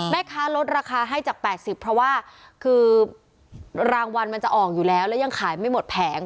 แม่ค้าลดราคาให้จาก๘๐เพราะว่าคือรางวัลมันจะออกอยู่แล้วแล้วยังขายไม่หมดแผง